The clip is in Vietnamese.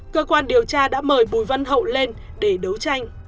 cơ quan điều tra đã mời bùi văn hậu lên để đấu tranh